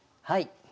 はい。